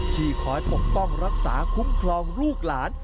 ที่คอยปกป้องรักษาคุ้มครองลูกหลาน